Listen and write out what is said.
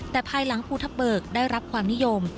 แต่ภายหลังภูทับเบิกได้รับความนิยม